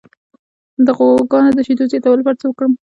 د غواګانو د شیدو زیاتولو لپاره څه وکړم؟